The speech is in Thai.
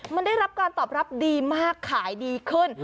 มันได้รับการตอบรับดีมากขายดีขึ้น